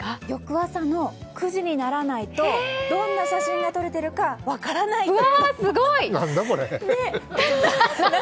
翌朝の９時にならないとどんな写真が撮れているか分からないという。